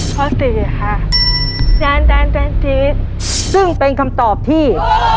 ข้อสี่ค่ะจานจานเป็นชีวิตซึ่งเป็นคำตอบที่